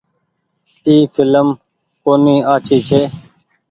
اي ڦلم ڪونيٚ آڇي ڇي۔